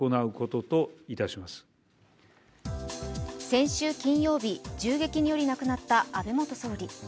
先週金曜日、銃撃により亡くなった安倍元総理。